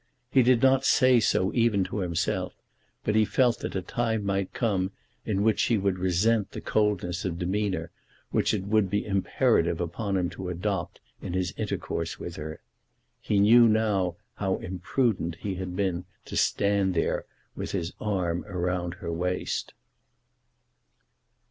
He did not say so even to himself, but he felt that a time might come in which she would resent the coldness of demeanour which it would be imperative upon him to adopt in his intercourse with her. He knew how imprudent he had been to stand there with his arm round her waist.